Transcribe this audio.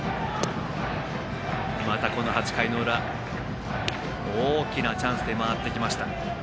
また８回の裏大きなチャンスで回ってきました。